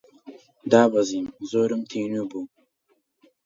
دابەزیم، زۆرم تینوو بوو